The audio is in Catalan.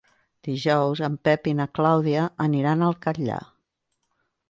Dijous en Pep i na Clàudia aniran al Catllar.